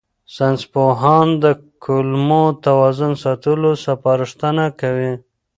ساینسپوهان د کولمو توازن ساتلو سپارښتنه کوي.